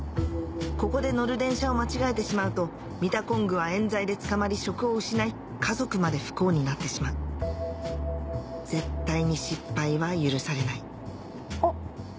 ここで乗る電車を間違えてしまうとミタコングは冤罪で捕まり職を失い家族まで不幸になってしまう絶対に失敗は許されないあっ。